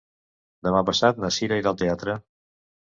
Demà passat na Cira irà al teatre.